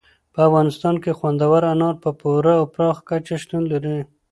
په افغانستان کې خوندور انار په پوره او پراخه کچه شتون لري.